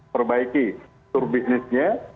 perbaiki tur bisnisnya